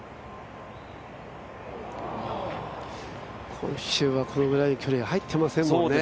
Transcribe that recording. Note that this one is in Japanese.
今週はこれぐらいの距離が入ってませんもんね。